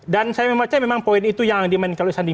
dan saya memacanya memang poin itu yang dimain kalau sandi